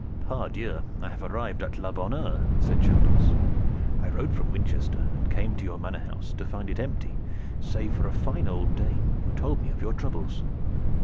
"Pardieu! I have arrived a la bonne heure," said Chandos. "I rode from Windsor and came to your manor house, to find it empty save for a fine old dame, who told me of your troubles.